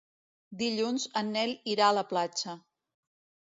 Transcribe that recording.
Dilluns en Nel irà a la platja.